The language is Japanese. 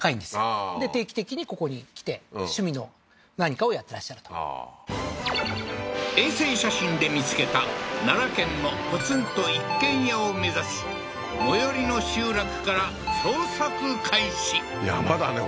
ああーで定期的にここに来て趣味の何かをやってらっしゃるとああー衛星写真で見つけた奈良県のポツンと一軒家を目指し最寄りの集落から捜索開始山だね